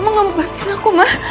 mama gak mau bantuin aku ma